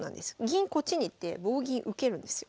銀こっちに行って棒銀受けるんですよ。